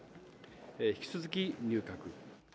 引き続き入閣。